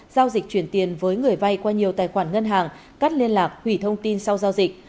giao dịch chuyển tiền với người vay qua nhiều tài khoản ngân hàng cắt liên lạc hủy thông tin sau giao dịch